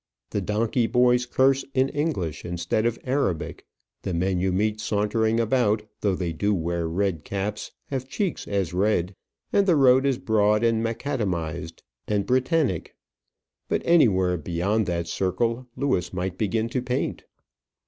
The donkey boys curse in English, instead of Arabic; the men you meet sauntering about, though they do wear red caps, have cheeks as red; and the road is broad and macadamized, and Britannic. But anywhere beyond that circle Lewis might begin to paint.